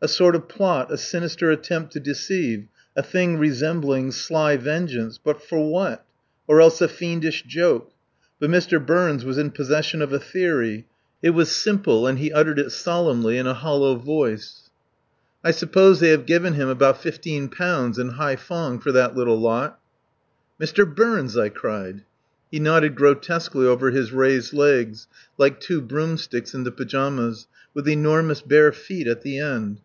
A sort of plot, a sinister attempt to deceive, a thing resembling sly vengeance, but for what? Or else a fiendish joke. But Mr. Burns was in possession of a theory. It was simple, and he uttered it solemnly in a hollow voice. "I suppose they have given him about fifteen pounds in Haiphong for that little lot." "Mr. Burns!" I cried. He nodded grotesquely over his raised legs, like two broomsticks in the pyjamas, with enormous bare feet at the end.